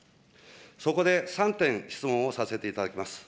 そこで３点、質問をさせていただきます。